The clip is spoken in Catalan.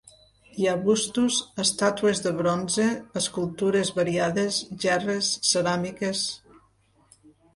Hi ha bustos, estàtues de bronze, escultures variades, gerres, ceràmiques...